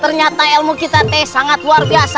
ternyata ilmu kita teh sangat luar biasa